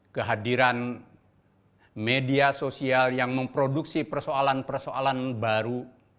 kehadiran media sosial yang memproduksi persoalan persoalan baru